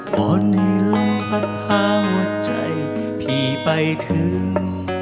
เพราะในลมพัดพาหัวใจพี่ไปถึง